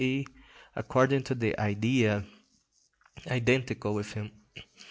e._, according to the Idea, identical with him.